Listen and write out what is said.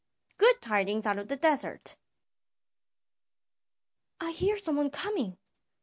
GOOD TIDINGS OUT OF THE DESERT. "I hear some one coming."